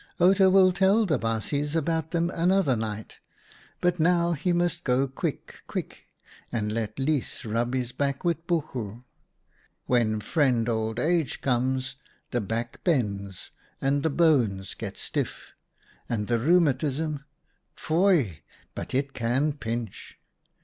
Outa will tell the baasjes about them another night, but now he must go quick — quick and let Lys rub his back with buchu. When friend Old Age comes the back bends and the bones get stiff, and the rheumatism — foei ! but it can pinch